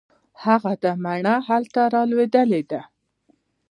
هغه ده مڼه هلته رالوېدلې ده.